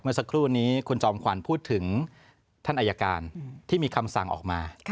เมื่อสักครู่นี้คุณจอมขวัญพูดถึงท่านอายการที่มีคำสั่งออกมา